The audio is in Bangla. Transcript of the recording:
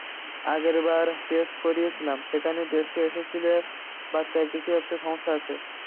আগেরবার টেস্ট করিয়েছিলাম সেখানে টেস্টে এসেছিলো, বাচ্চায় কিছু একটা সমস্যা আছে।